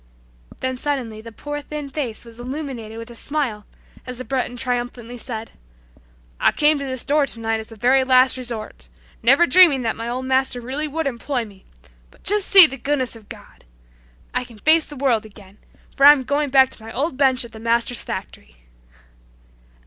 Then suddenly the poor, thin face was illuminated with a smile as the Breton triumphantly said, "I came to this door tonight as the very last resort, never dreaming that my old master really would employ me, but just see the goodness of God! I can face the world again, for I'm going back to my old bench at the master's factory!"